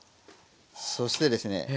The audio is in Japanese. そしてですね